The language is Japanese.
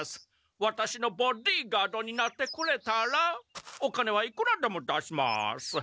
ワタシのボディーガードになってくれたらお金はいくらでも出します。